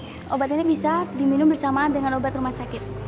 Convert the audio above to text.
obat ini bisa diminum bersamaan dengan obat rumah sakit